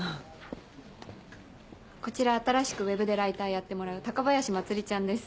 こちら新しくウェブでライターやってもらう高林茉莉ちゃんです。